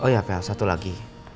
oh ya pak satu lagi